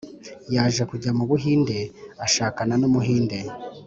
Yaje kujya mu buhinde ashakana numuhinde